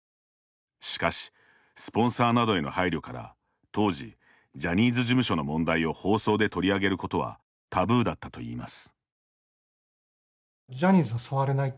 しかしスポンサーなどへの配慮から当時、ジャニーズ事務所の問題を放送で取り上げることはタブーだったといいます。